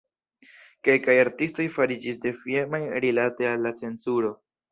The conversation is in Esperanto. Kelkaj artistoj fariĝis defiemaj rilate al la cenzuro.